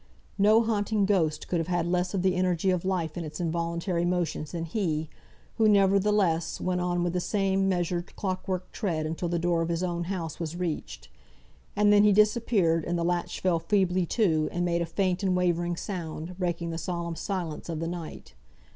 No haunting ghost could have had less of the energy of life in its involuntary motions than he, who, nevertheless, went on with the same measured clock work tread until the door of his own house was reached. And then he disappeared, and the latch fell feebly to, and made a faint and wavering sound, breaking the solemn silence of the night.